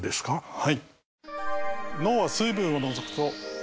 はい。